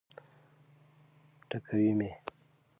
ټکوي مي.